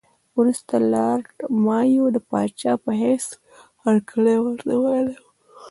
وروسته لارډ مایو د پاچا په حیث هرکلی ورته ویلی وو.